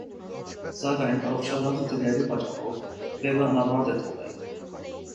Սակայն առողջական խնդիրների պատճառով վեպը անավարտ է թողել։